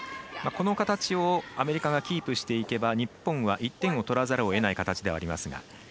この形をアメリカがキープしていけば日本は１点を取らざるをえない形ではありますが。